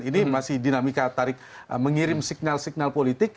ini masih dinamika tarik mengirim signal signal politik